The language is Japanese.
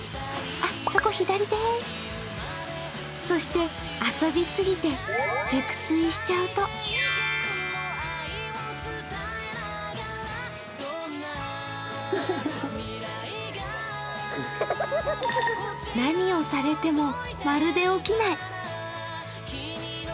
そして、遊びすぎて、熟睡しちゃうと何をされても、まるで起きない。